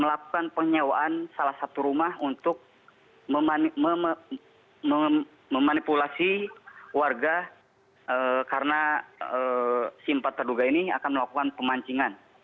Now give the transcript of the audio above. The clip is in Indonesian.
melakukan penyewaan salah satu rumah untuk memanipulasi warga karena simpat terduga ini akan melakukan pemancingan